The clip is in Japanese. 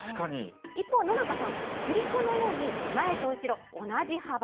一方、野中さん、振り子のように、前と後ろ、同じ幅。